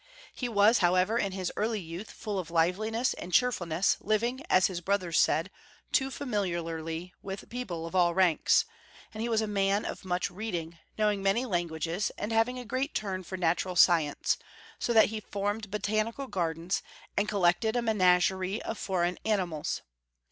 He Avas, howeA''er, in his early youth full of liveliness and cheerfulness, living, as his brothers said, too familiarly with peo ple of all ranks ; and he was a man of much read ing, knowing many languages, and having a great turn for natural science, so that he formed botanical gardens, and collected a menagerie of foreign ani mals.